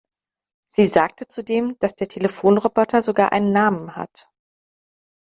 Sie sagte zudem, dass der Telefonroboter sogar einen Namen hat.